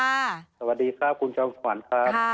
สวัสดีค่ะคุณชอบขวานค่ะ